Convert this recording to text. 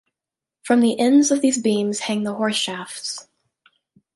From the ends of these beams hang the horse shafts.